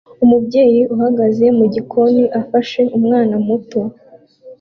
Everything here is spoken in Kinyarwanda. Umubyeyi uhagaze mu gikoni afashe umwana muto